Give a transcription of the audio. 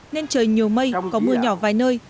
nên trời nhiều mây có mưa nhỏ vài nơi